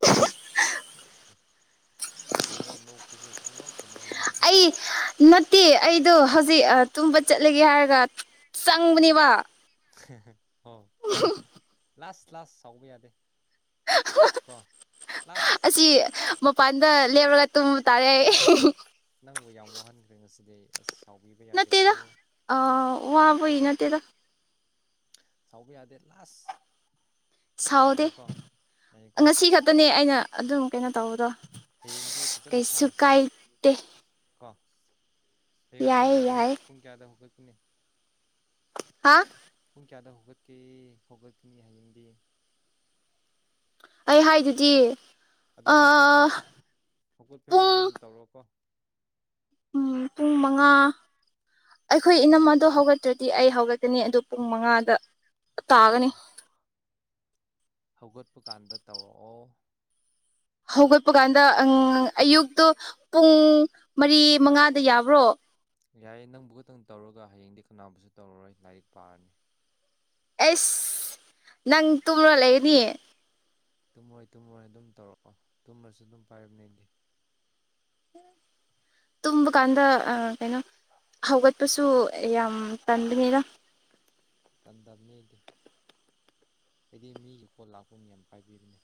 ꯍꯂ ꯀꯔꯤ ꯅ ꯄ ꯄꯨꯅ ꯑꯩ ꯅꯠꯇꯦ ꯑꯩ ꯑꯗꯨ ꯍꯧꯖꯤꯛ ꯇꯨꯝꯕ ꯆꯠꯂꯒꯦ ꯍꯥꯏꯔꯒ ꯆꯪꯕꯅꯦꯕ ꯑꯣ ꯂꯥꯁ ꯂꯥꯁ ꯁꯥꯎꯕ ꯌꯥꯗꯦ ꯀꯣ ꯂꯥꯁ ꯑꯁꯤ ꯃꯄꯥꯟꯗ ꯂꯦꯞꯔꯒ ꯇꯔꯦ ꯑꯁ ꯅꯪꯕꯨ ꯌꯥꯝ ꯋꯥꯍꯟꯈ꯭ꯔꯦ ꯉꯁꯤꯗꯤꯩ ꯑꯁ ꯁꯥꯎꯕꯤꯕ ꯌꯥꯗꯦꯀꯣ ꯑꯣ ꯍꯥꯥꯕꯏꯅ ꯇꯗ ꯁꯥꯎꯕ ꯌꯥꯗꯦ ꯂꯥꯁ ꯁꯥꯎꯗꯦ ꯌꯥꯏꯀꯣ ꯌꯥꯏꯀꯣ ꯉꯁꯤ ꯈꯛꯇꯅꯦ ꯑꯩꯅ ꯑꯗꯨꯝ ꯀꯩꯅꯣ ꯇꯧꯕꯗꯣ ꯍꯌꯦꯡꯗꯤ ꯐꯖꯅ ꯀꯩꯁꯨ ꯁꯥꯔꯁꯦꯕ ꯀꯥꯏꯗꯦ ꯀꯣ ꯍꯌꯦꯡ ꯄꯨꯡ ꯌꯥꯏꯌꯦ ꯀꯌꯥꯗ ꯌꯥꯏꯌꯦ ꯄꯨꯡ ꯀꯌꯥꯗ ꯍꯧꯒꯠꯀꯅꯤ ꯍꯥ ꯄꯨꯡ ꯀꯌꯥꯗ ꯍꯧꯒꯠꯀꯦ ꯍꯧꯒꯠꯀꯅꯤ ꯍꯌꯦꯡꯗꯤ ꯑꯩ ꯍꯥꯏꯗꯤ ꯑꯗꯨ ꯍꯧꯒꯠꯄꯩ ꯍꯧꯒꯠꯄ ꯍꯦꯛ ꯄꯨꯡ ꯑꯩꯉꯣꯟꯗ ꯇꯧꯔꯣꯀꯣ ꯎꯝ ꯄꯨꯡ ꯃꯉꯥ ꯑꯩꯈꯣꯏ ꯏꯅꯝ ꯑꯗꯣ ꯍꯧꯒꯠꯇ꯭ꯔꯗꯤ ꯑꯩ ꯍꯧꯒꯠꯀꯅꯤ ꯑꯗꯨ ꯄꯨꯡ ꯃꯉꯥꯗ ꯑꯣ ꯇꯥꯒꯅꯤ ꯍꯧꯒꯠꯄ ꯀꯥꯟꯗ ꯇꯧꯔꯛꯑꯣ ꯍꯧꯒꯠꯄ ꯀꯥꯟꯗ ꯑꯌꯨꯛꯇꯣ ꯄꯨꯡ ꯃꯔꯤ ꯃꯉꯥꯗ ꯌꯥꯕ꯭ꯔꯣ ꯌꯥꯏꯌꯦ ꯅꯪꯕꯨ ꯈꯛꯇꯪ ꯇꯧꯔꯒ ꯍꯌꯦꯡꯗꯤ ꯀꯧꯅꯥꯕꯨꯁꯨ ꯇꯧꯔꯔꯣꯏ ꯂꯥꯏꯔꯤꯛ ꯄꯥꯔꯅꯤ ꯑꯦꯁ ꯅꯪ ꯇꯨꯝꯔꯣ ꯂꯩꯒꯅꯤ ꯇꯨꯝꯃꯣꯏ ꯇꯨꯝꯃꯣꯏ ꯑꯗꯨꯝ ꯇꯧꯔꯛꯑꯣ ꯇꯨꯝꯂꯁꯨ ꯑꯗꯨꯝ ꯄꯥꯏꯕꯅꯦꯗꯤ ꯇꯃ ꯀꯥꯟꯗ ꯑ ꯀꯩꯅꯣ ꯍꯧꯒꯠꯄꯁꯨ ꯌꯥꯝ ꯇꯟꯕꯅꯤꯗ ꯇꯟ ꯇꯕꯅꯦꯗꯤ ꯍꯥꯏꯗꯤ ꯃꯤꯒꯤ ꯀꯣ ꯂꯥꯛꯄ ꯌꯥꯝ ꯄꯥꯏꯕꯤꯕꯅꯦ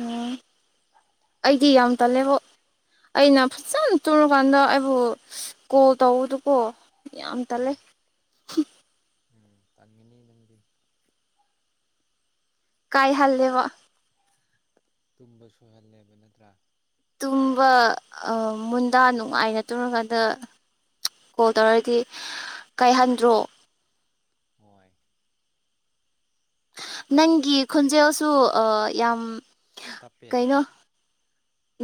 ꯎꯝ ꯑꯩꯗꯤ ꯌꯥꯝ ꯇꯜꯂꯦꯕ ꯑꯩꯅ ꯐꯖꯅ ꯇꯨꯔꯨꯀꯥꯟꯗ ꯑꯩꯕꯨ ꯀꯣꯜ ꯇꯧꯗꯨꯀꯣ ꯌꯥꯝ ꯇꯂꯦ ꯎꯝ ꯎꯝ ꯇꯉꯅꯤꯅꯗꯤ ꯀꯥꯏ ꯍꯜꯂꯦꯕ ꯇꯨꯝꯕ ꯁꯣꯏꯍꯜꯂꯦꯕ ꯅꯠꯇ꯭ꯔꯥ ꯇꯨꯝꯕ ꯃꯨꯟꯗꯥ ꯅꯨꯡꯉꯥꯏꯅ ꯇꯨꯝꯔꯀꯥꯟꯗ ꯀꯣꯜ ꯇꯧꯔꯗꯤ ꯀꯥꯏꯍꯟꯗ꯭ꯔꯣ ꯍꯣꯏ ꯅꯪꯒꯤ ꯈꯣꯟꯖꯦꯜꯁꯨ ꯌꯥꯝ ꯇꯞꯄꯦ ꯀꯩꯅꯣ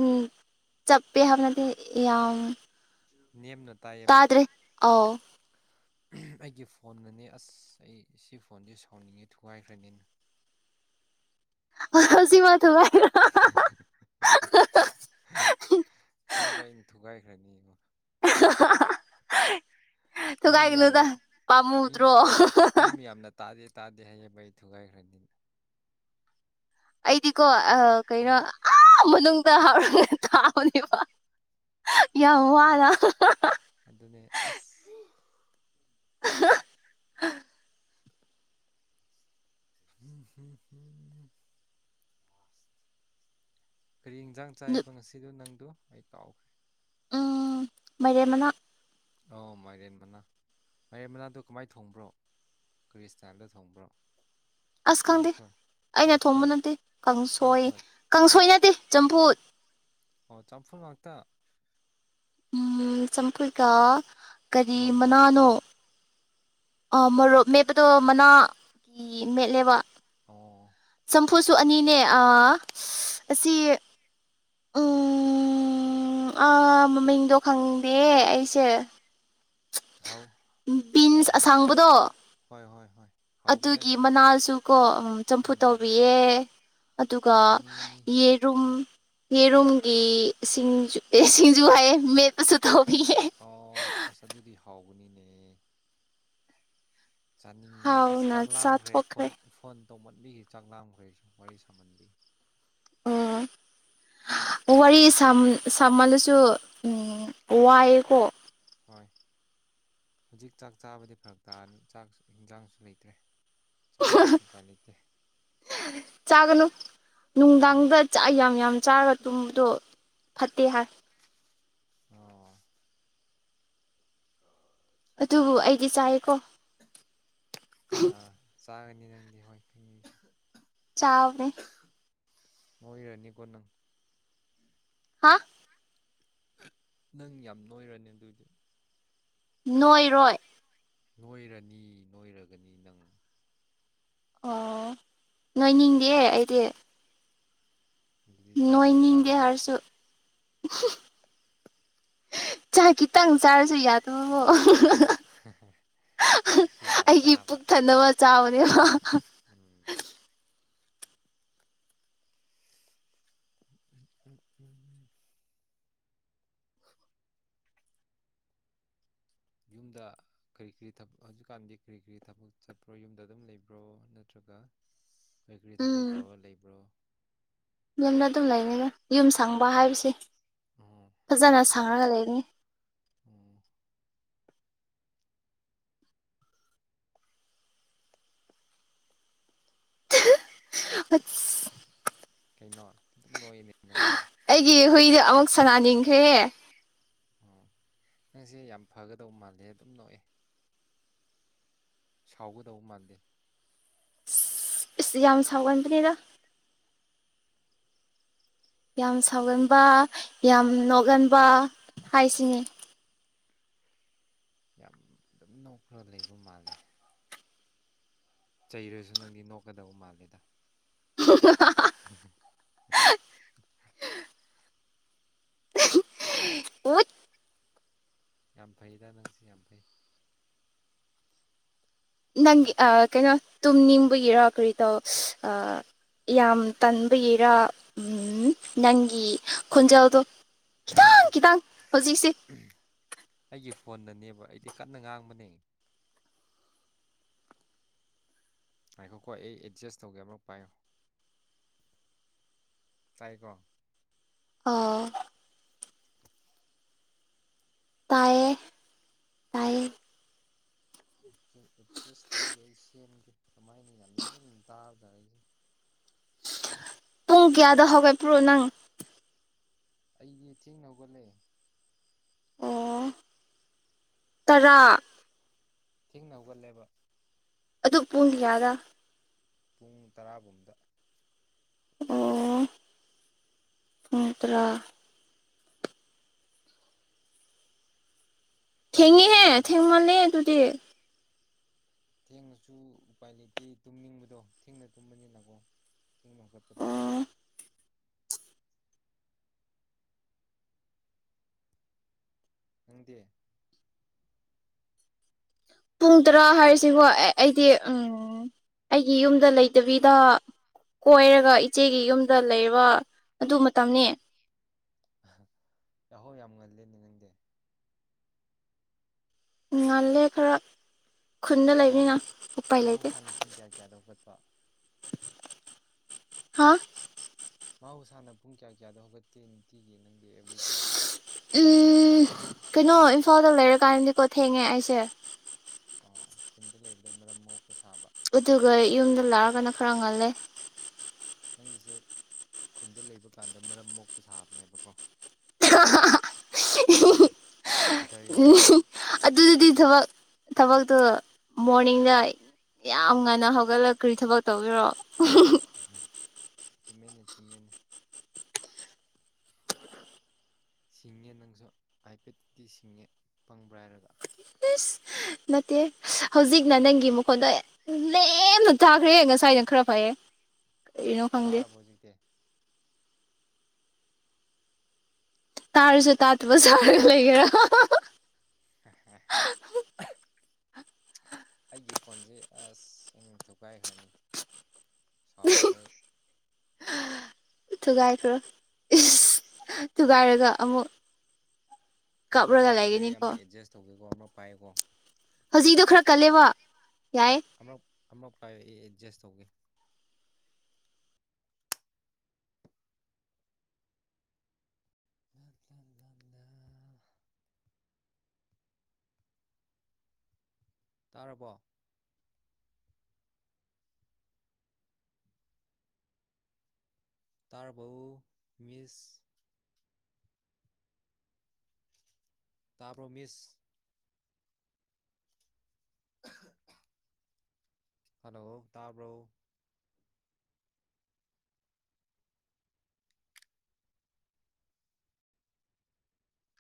ꯎꯝ ꯆꯠꯄꯦ ꯍꯥꯏꯞꯅꯗꯤ ꯅꯦꯝꯅ ꯇꯥꯏꯌꯦꯕ ꯇꯥꯗ꯭ꯔꯦ ꯑꯣ ꯑꯩꯒꯤ ꯐꯣꯟꯅꯅꯦ ꯑꯁ ꯑꯩ ꯁꯤ ꯐꯣꯟꯁꯦ ꯁꯥꯎꯅꯤꯡꯉꯦ ꯊꯨꯒꯥꯏꯈ꯭ꯔꯅꯤꯅ [inaudible] ꯍꯧ ꯁꯤꯃ ꯊ ꯍꯥꯏꯔ ꯑꯦꯡꯕ ꯑꯩꯅ ꯊꯨꯒꯥꯏꯈ꯭ꯔꯅꯤ ꯌꯦꯡꯉꯣ [inaudible] ꯃꯤ ꯃꯌꯥꯝꯅ ꯊꯨꯒꯥꯏꯒꯅꯨꯗ ꯃꯤ ꯄꯥꯝꯃꯨꯗ꯭ꯔꯣ ꯃꯤ ꯃꯌꯥꯝꯅ ꯇꯥꯗꯦ ꯇꯥꯗꯦ ꯍꯌꯦꯕ ꯑꯩ ꯊꯨꯒꯥꯏꯈ꯭ꯔꯅꯤꯅ ꯑꯩꯗꯤꯀꯣ ꯑ ꯀꯩꯅꯣ ꯎꯝ ꯃꯅꯨꯡꯗ ꯍꯔꯒ ꯊꯥꯕꯅꯦꯕ ꯌꯥ ꯋꯥ ꯎꯝ ꯑꯗ ꯑꯗꯨꯅꯦ ꯑꯁ [inaudible] ꯎꯝ ꯍꯨꯝ ꯀꯔꯤ ꯏꯟꯖꯥꯡ ꯆꯥꯏꯑꯕ ꯉꯁꯤꯗ ꯅꯪꯗꯨ ꯑꯩ ꯀꯥꯎꯈ꯭ꯔꯦ ꯎ ꯃꯥꯏꯔꯦ ꯃꯅꯥ ꯑꯧ ꯃꯥꯏꯔꯦꯟ ꯃꯅꯥ ꯃꯥꯏꯔꯦꯟ ꯃꯅꯥꯗꯣ ꯀꯃꯥꯏꯅ ꯊꯣꯡꯕ꯭ꯔꯣ ꯈ꯭ꯔꯤꯁꯇꯜꯗ ꯊꯣꯡꯕ꯭ꯔꯣ ꯑꯁ ꯈꯪꯗꯤ ꯀꯥꯡꯁꯣꯏ ꯑꯩꯅ ꯊꯣꯡꯕ ꯀꯥꯡꯁꯣꯏ ꯅꯠꯇꯦ ꯀꯥꯡꯁꯣꯏ ꯀꯥꯡꯁꯣꯏ ꯅꯠꯇꯦ ꯆꯝꯐꯨ ꯑꯣ ꯆꯞ ꯐꯣꯟ ꯃꯥꯥꯛꯇ ꯎ ꯆꯝꯐꯨꯠꯀ ꯀꯔꯤ ꯏꯔꯣꯟꯕ ꯃꯅꯥꯅꯣ ꯃꯔꯣꯛ ꯑ ꯃꯔꯣꯔꯨꯞ ꯃꯦꯠꯄꯗꯣ ꯃꯅꯥ ꯀ ꯃꯦꯠꯂꯦꯕ ꯑꯣ ꯍꯨꯝꯐꯨꯁꯨ ꯑꯅꯤꯅꯦ ꯑꯁꯤ [inaudible] ꯎꯝ ꯑꯥ ꯃꯃꯤꯡꯗꯣ ꯈꯪꯗꯦ ꯑꯩꯁꯦ ꯍꯥꯎ ꯍꯣꯏ ꯕꯤꯟꯁ ꯑꯁꯥꯡꯕꯗꯣ ꯍꯣꯏ ꯍꯣꯏ ꯍꯥꯎꯕꯅꯦ ꯑꯗꯨꯒꯤ ꯑꯗꯣ ꯃꯅꯥꯁꯨ ꯀꯣ ꯎ ꯆꯝꯐꯨ ꯎꯝ ꯇꯧꯕꯤꯌꯦ ꯑꯗꯨꯒ ꯍꯥꯎꯒꯅꯤ ꯌꯦꯔꯨꯝ ꯌꯦꯔꯨꯝꯒꯤ ꯁꯤꯡꯖꯨ ꯑꯦ ꯁꯤꯡꯖꯨ ꯍꯥꯏꯌꯦ ꯃꯦꯠꯄꯁꯨ ꯊꯧꯕꯤ ꯑ ꯑꯁ ꯑꯗꯨꯗꯤ ꯍꯥꯎꯒꯅꯤꯅꯦ ꯆꯥꯅꯤꯡꯉꯦ ꯑꯁ ꯍꯥꯎꯅ ꯆꯥꯛ ꯂꯥꯝꯈ꯭ꯔꯦ ꯆꯥꯊꯣꯛꯈ꯭ꯔꯦ ꯐꯣꯟ ꯐꯣꯟ ꯇꯧꯃꯟꯕꯤꯈꯤ ꯆꯥꯛ ꯂꯥꯡꯈ꯭ꯔꯦꯁꯨ ꯋꯥꯔꯤ ꯁꯥꯃꯟꯕꯤ ꯑꯣ ꯋꯥꯔꯤ ꯁꯝꯍꯜꯂꯁꯨ ꯎꯝ ꯋꯥꯏꯑꯀꯣ ꯍ ꯍꯧꯖꯤꯛ ꯆꯥꯛ ꯆꯥꯕꯗꯤ ꯐꯔꯛ ꯇꯥꯔꯅꯤ ꯆꯥꯛ ꯌꯦꯟꯖꯥꯡꯁꯨ ꯂꯩꯇ꯭ꯔꯦ ꯆꯥꯅꯤꯡꯕꯁꯨ ꯀ ꯂꯩꯇꯦ ꯆꯥꯒꯅꯨ ꯍꯣꯏ ꯅꯨꯡꯗꯥꯡꯗ ꯌꯥꯝ ꯌꯥꯝ ꯆꯥꯔꯒ ꯇꯨꯝꯕꯗꯣ ꯐꯠꯇꯍꯥ ꯑꯣ ꯑꯗꯨꯕꯨ ꯑꯩꯗꯤ ꯆꯥꯏꯌꯦꯀꯣ ꯑꯥ ꯆꯥꯒꯅꯤ ꯅꯪꯗꯤ ꯍꯣꯏ ꯈꯪꯉ ꯆꯥꯕꯅꯦ ꯑꯣꯏ ꯑꯣꯏꯔꯅꯤꯀꯣ ꯅꯪ ꯍꯥ ꯅꯪ ꯌꯥꯝ ꯅꯣꯏꯔꯅꯤ ꯑꯗꯨꯗꯤ ꯅꯣꯏꯔꯣꯏ ꯅꯣꯏꯔꯅꯤ ꯅꯣꯏꯔꯒꯅꯤ ꯅꯪ ꯑꯣ ꯅꯣꯏꯅꯤꯡꯗꯦ ꯑꯩꯗꯤ ꯑꯗꯨꯗꯤ ꯆꯥꯛ ꯅꯣꯏ ꯌꯥꯝ ꯃꯤꯒꯦ ꯆꯥꯒꯅꯨ ꯍꯔꯁꯨꯠ ꯆꯥꯛ ꯈꯤꯇꯪ ꯆꯥꯔꯁꯨ ꯌꯥꯗꯣ [inaudible] ꯌꯥꯝ ꯑꯩꯒꯤ ꯆꯥꯕ ꯄꯨꯛ ꯊꯅꯕ ꯆꯥꯕꯅꯦꯕ ꯎꯝ ꯎꯝ ꯎꯝ ꯎꯝ ꯎꯝ ꯌꯨꯝꯗ ꯀꯔꯤ ꯀꯔꯤꯛ ꯍꯧꯖꯤꯛꯀꯥꯟꯗꯤ ꯀꯔꯤ ꯀꯔꯤ ꯊꯕꯛ ꯆꯠꯄ꯭ꯔꯣ ꯌꯨꯝꯗ ꯑꯗꯨꯝ ꯂꯩꯕ꯭ꯔꯣ ꯅꯠꯇ꯭ꯔꯒ ꯀꯔꯤ ꯀꯔꯤ ꯊꯕꯛ ꯎꯝ ꯇꯧꯔ ꯂꯩꯕ꯭ꯔꯣ ꯌꯨꯝꯗ ꯑꯗꯨꯝ ꯂꯩꯅꯤꯅ ꯌꯨꯝ ꯁꯪꯕ ꯍꯥꯏꯕꯁꯦ ꯑꯣ ꯌꯨꯝ ꯐꯖꯅ ꯁꯪꯕ ꯁꯥꯡꯉꯒ ꯂꯩꯒꯅꯤ ꯑꯣ [inaudible] ꯀꯩꯅꯩꯅꯣ ꯑꯩꯒꯤ ꯍꯨꯏꯗ ꯑꯃꯨꯛ ꯁꯅꯥꯅꯤꯡꯈ꯭ꯔꯦ ꯑꯣ ꯅꯪꯁꯦ ꯌꯥꯝ ꯐꯒꯗꯧꯕ ꯃꯥꯜꯂꯦ ꯑꯗꯨꯝ ꯅꯣꯛꯏ ꯁꯥꯎꯒꯗꯧꯕ ꯃꯥꯟꯗꯦ ꯏꯁ ꯌꯥꯝ ꯁꯥꯎ ꯀꯥꯟꯄꯅꯤꯗ ꯌꯥꯝ ꯁꯥꯎꯒꯟꯕ ꯌꯥꯝ ꯅꯣꯛꯒꯟꯕ ꯍꯥꯏꯁꯤꯅꯤ ꯌꯥꯝ ꯑꯗꯨꯝ ꯅꯣꯛꯈ꯭ꯔ ꯂꯩꯕ ꯃꯥꯜꯂꯦ ꯆꯩꯔꯁꯨ ꯅꯪꯗꯤ ꯅꯣꯛꯀꯗꯕ ꯃꯥꯂꯦꯗ [inaudible] ꯎꯠ ꯌꯥꯝ ꯐꯩꯗ ꯅꯪꯁꯨ ꯌꯥꯝ ꯐꯩ ꯅꯪꯒꯤ ꯀꯩꯅꯣ ꯇꯨꯝꯅꯤꯡꯕꯨꯒꯤꯔꯣ ꯀꯔꯤ ꯇꯧ ꯑ ꯌꯥꯝ ꯇꯟꯕꯒꯤꯔꯥ ꯎ ꯅꯪꯒꯤ ꯈꯣꯟꯖꯦꯜꯗꯣ ꯈꯤꯇꯪ ꯈꯤꯇꯪ ꯍꯧꯖꯤꯛꯁꯤ ꯐꯣꯟꯟꯅꯅꯦꯕ ꯑꯩꯗꯤ ꯀꯟꯅ ꯉꯥꯡꯕꯅꯦ ꯍꯥꯏꯈꯣꯀꯣ ꯑꯩ ꯑꯦꯗꯖꯁ ꯇꯧꯒꯦ ꯑꯃꯂꯛ ꯄꯥꯏꯌꯨ ꯇꯥꯏꯀꯣ ꯑꯣ ꯇꯌꯦ ꯇꯌꯦ ꯑꯦꯗꯖꯁ ꯇꯧꯒꯦ ꯑꯩ ꯁꯦꯝꯒꯦ ꯀꯃꯥꯏꯅ ꯌꯥꯝ ꯅꯤꯡ ꯌꯥꯝ ꯇꯥꯕ [inaudible] ꯄꯨꯡ ꯀꯌꯥꯗ ꯍꯧꯒꯦ ꯄꯨꯔꯣꯑꯣ ꯅꯪ ꯑꯩꯒꯤ ꯊꯦꯡ ꯍꯧꯒꯠꯂꯑꯦ ꯑꯣ ꯇꯔꯥ ꯊꯦꯡꯅ ꯍꯧꯒꯠꯂꯦꯕ ꯑꯗꯨ ꯄꯨꯡꯗꯤ ꯌꯥꯗ ꯄꯨꯡ ꯇꯔꯥꯕꯨꯝꯗ ꯑꯣ ꯐꯟꯇ꯭ꯔꯥ ꯄꯨꯡ ꯇꯔꯥꯗ ꯊꯦꯉꯤꯍꯦ ꯍꯧꯒꯠꯂꯦ ꯊꯦꯦꯡꯃꯂꯤꯦ ꯑꯗꯨꯗꯤ ꯊꯦꯡꯅꯁꯨ ꯎꯄꯥꯏ ꯂꯩꯇꯦ ꯇꯨꯝꯅꯤꯡꯕꯗꯣ ꯊꯦꯡꯅ ꯇꯨꯝꯕꯅꯤꯅꯀꯣ ꯀꯒꯄ ꯇꯥꯕ ꯑꯣ ꯅꯪꯗꯤ ꯄꯨꯡ ꯇꯔꯥ ꯍꯥꯏꯔꯤꯁꯤ ꯍꯣ ꯑꯩ ꯑꯩꯗꯤ ꯎꯝ ꯑꯩꯒꯤ ꯌꯨꯝꯗ ꯂꯩꯇꯕꯤꯗ ꯀꯣꯏꯔꯒ ꯏꯆꯦꯒꯤ ꯌꯨꯝꯗ ꯂꯩꯕ ꯑꯗꯨ ꯃꯇꯝꯅꯤ ꯌꯥꯍꯧ ꯌꯥꯝ ꯉꯜꯂꯦꯅꯦ ꯅꯪꯗꯤ ꯉꯥꯜꯂꯦ ꯈꯔ ꯈꯨꯟꯗ ꯂꯩꯅꯤꯅ ꯃꯍꯧꯁ ꯎꯄꯥꯏ ꯂꯩꯇꯦ ꯃꯍꯧꯁꯥꯅ ꯄꯨꯡ ꯀꯌꯥ ꯀꯌꯥꯗ ꯍꯧꯒꯠꯄ ꯍꯥ ꯃꯍꯧꯁꯥꯅ ꯄꯨꯡ ꯀꯌꯥ ꯀꯌꯥꯗꯣ ꯍꯧꯒꯠꯀꯦ ꯅꯤꯡꯇꯤꯒꯤ ꯅꯪ ꯎꯝ ꯀꯩꯅꯣ ꯏꯝꯐꯥꯜꯗ ꯂꯩꯔꯀꯥꯟꯔꯗꯤꯀꯣ ꯊꯦꯡꯉꯦ ꯑꯩꯁꯦ ꯑꯣ ꯈꯨꯟꯗ ꯂꯩꯕꯗ ꯃꯔꯝ ꯃꯣꯛꯄ ꯁꯥꯕ ꯑꯗꯨꯒ ꯌꯨꯝꯗ ꯂꯥꯛꯑꯒꯅ ꯈꯔ ꯉꯜꯂꯦ ꯅꯪꯒꯤꯁꯦ ꯈꯨꯟꯗ ꯂꯩꯕ ꯀꯥꯟꯗ ꯃꯔꯝ ꯃꯣꯛꯄ ꯁꯥꯕꯅꯦꯕꯀꯣ ꯑ ꯀꯗꯔ ꯌꯥꯝ ꯎꯝ ꯑꯗꯨꯗꯗꯤ ꯊꯕꯛ ꯊꯕꯛꯇꯨ ꯃꯣꯔꯅꯤꯡꯗ ꯌꯥꯝ ꯉꯟꯅ ꯍꯧꯒꯠꯂꯛꯈ꯭ꯔꯤ ꯊꯕꯛ ꯇꯧꯕꯤꯔꯣ ꯑꯍ ꯆꯨꯝꯃꯦꯅꯦ ꯆꯨꯝꯃꯦꯅꯦ ꯁꯤꯡꯉꯦ ꯅꯪꯁꯨ ꯍꯥꯏꯐꯦꯠꯇꯗꯤ ꯁꯤꯡꯉꯦ ꯄꯪꯕ꯭ꯔꯥ ꯍꯥꯏꯔꯒ ꯅꯠꯇꯦ ꯍꯧꯖꯤꯛꯅ ꯅꯪꯒꯤ ꯃꯈꯣꯟꯗ ꯂꯦꯝꯅ ꯊꯥꯈ꯭ꯔꯦ ꯉꯁꯥꯏ ꯅ ꯈꯔ ꯐꯌꯦ ꯇꯥꯔꯕ ꯍꯧꯖꯤꯛꯇꯦ ꯇꯥꯔꯁꯨꯦ ꯇꯥꯇꯕꯨ ꯁꯥꯔ ꯂꯩꯒꯦꯔ [unintelligible] ꯑꯩꯒꯤ ꯐꯣꯟꯁꯦ ꯑꯁꯁꯤꯡ ꯊꯨꯒꯥꯏꯈ꯭ꯔꯅꯤ ꯁꯥꯎꯈ꯭ꯔꯦ ꯊꯨꯒꯥꯏꯈ꯭ꯔꯣ ꯊꯨꯒꯥꯏꯔꯒ ꯑꯃꯨꯛ ꯉꯥꯏꯈꯣꯀꯣ ꯀꯥꯞꯔꯒ ꯑꯗꯨꯗꯤ ꯑꯩ ꯂꯩꯒꯅꯤꯀꯣ ꯑꯃꯅ ꯑꯦꯗꯖꯁ ꯇꯧꯒꯦꯀꯣ ꯑꯃ ꯄꯥꯏꯑꯀꯣ ꯍꯧꯖꯤꯛꯗꯣ ꯈꯔ ꯀꯜꯂꯦꯕ ꯌꯥꯏ ꯑꯃꯛ ꯄꯥꯏꯌꯛ ꯑꯩ ꯑꯦꯗꯖꯁ ꯇꯧꯒꯦ [unintelligible] ꯇꯥꯔꯕꯣ ꯇꯔꯕꯍ ꯃꯤꯁ ꯇꯥꯔꯕꯣ ꯃꯤꯁ ꯍꯜꯂꯣ ꯇꯥꯕ꯭ꯔꯎꯨ